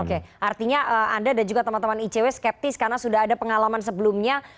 oke artinya anda dan juga teman teman icw skeptis karena sudah ada pengalaman sebelumnya